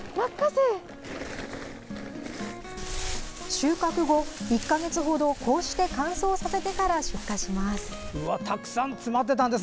収穫後、１か月ほどこうして乾燥させてから出荷します。